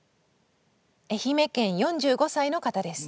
愛媛県４５歳の方です。